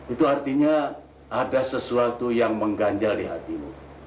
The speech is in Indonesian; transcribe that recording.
itu artinya ada sesuatu yang mengganjal di hatimu